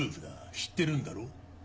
知ってるんだろ？